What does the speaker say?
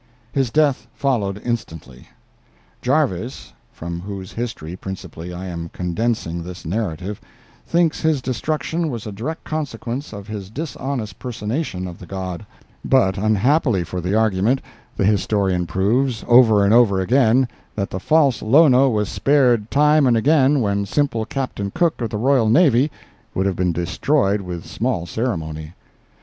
His death followed instantly. Jarves, from whose history, principally, I am condensing this narrative, thinks his destruction was a direct consequence of his dishonest personation of the god, but unhappily for the argument, the historian proves, over and over again, that the false Lono was spared time and again when simple Captain Cook of the Royal Navy would have been destroyed with small ceremony.